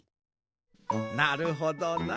なるほどな。